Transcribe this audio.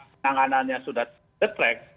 penanganannya sudah ter track